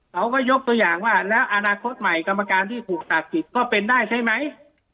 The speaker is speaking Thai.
เขาก็ยกตัวอย่างว่าแล้วอนาคตใหม่กรรมการที่ถูกตัดสิทธิ์ก็เป็นได้ใช่ไหม